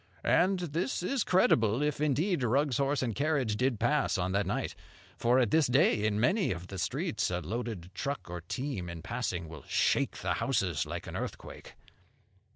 And this is credible, if, indeed, Rugg's horse and carriage did pass on that night. For at this day, in many of the streets, a loaded truck or team in passing will shake the houses like an earthquake.